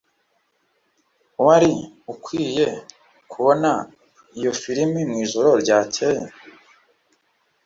Wari ukwiye kubona iyo firime mwijoro ryakeye